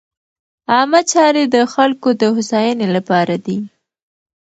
عامه چارې د خلکو د هوساینې لپاره دي.